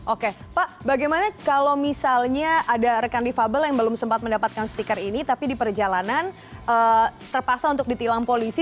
oke pak bagaimana kalau misalnya ada rekan difabel yang belum sempat mendapatkan stiker ini tapi di perjalanan terpaksa untuk ditilang polisi